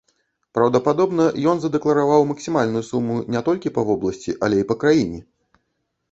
Праўдападобна, ён задэклараваў максімальную суму не толькі па вобласці, але і па краіне.